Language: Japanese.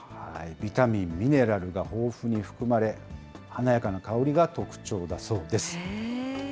ビタミン、ミネラルが豊富に含まれ、華やかな香りが特徴だそうです。